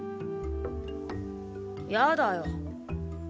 やだよ。